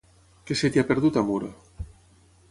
Què se t'hi ha perdut, a Muro?